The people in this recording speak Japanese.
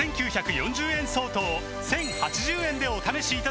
５９４０円相当を１０８０円でお試しいただけます